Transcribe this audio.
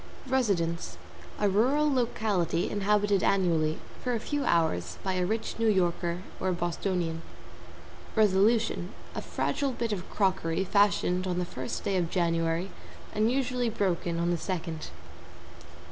=RESIDENCE= A rural locality inhabited annually for a few hours by a rich New Yorker or Bostonian. =RESOLUTION= A fragile bit of crockery fashioned on the first day of January and usually broken on the second.